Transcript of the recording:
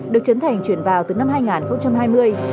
được chấn thành chuyển vào từ năm hai nghìn hai mươi